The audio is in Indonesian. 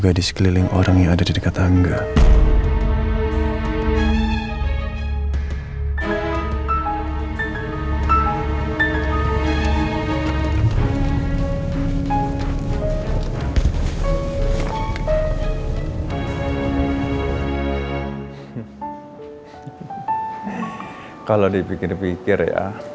ada orang yang serang adik gue